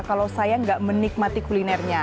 kalau saya nggak menikmati kulinernya